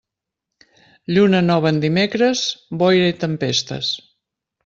Lluna nova en dimecres, boira i tempestes.